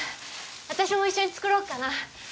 私も一緒に作ろうかな。